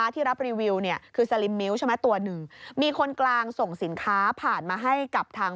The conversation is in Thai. ทีนี้ดูของไต้ฝุ่นบ้างนะคะ